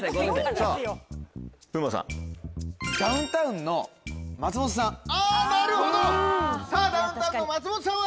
さぁダウンタウンの松本さんは？